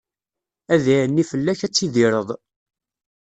Ad iɛenni fell-ak, ad tidireḍ.